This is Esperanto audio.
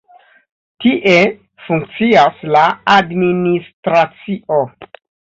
Tie funkcias la administracio.